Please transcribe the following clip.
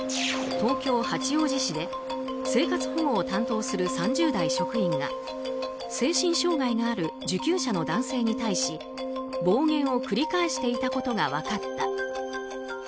東京・八王子市で生活保護を担当する３０代職員が、精神障害のある受給者の男性に対して暴言を繰り返していたことが分かった。